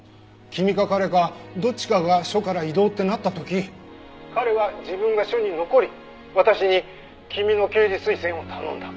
君か彼かどっちかが署から異動ってなった時彼は自分が署に残り私に君の刑事推薦を頼んだ。